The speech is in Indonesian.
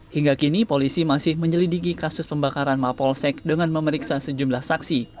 hingga kini polisi masih menyelidiki kasus pembakaran mapolsek dengan memeriksa sejumlah saksi